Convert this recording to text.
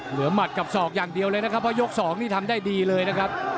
หมัดกับศอกอย่างเดียวเลยนะครับเพราะยกสองนี่ทำได้ดีเลยนะครับ